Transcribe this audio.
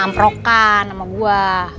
amprokan sama gua